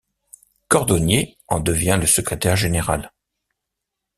Cordonnier en devient le Secrétaire général.